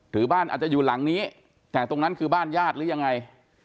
หรือบ้านอาจจะอยู่หลังนี้แต่ตรงนั้นคือบ้านญาติหรือยังไง